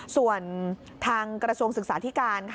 ส่วนทางกระทรวงศึกษาธิการ